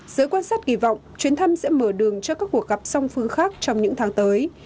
giới quan sát kỳ vọng chuyến thăm sẽ mở đường cho các cuộc gặp song phương khác trong những tháng tới